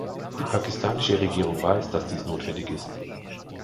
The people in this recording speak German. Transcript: Die pakistanische Regierung weiß, dass dies notwendig ist.